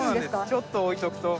ちょっと置いておくと。